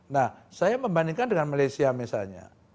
nah saya membandingkan dengan malaysia misalnya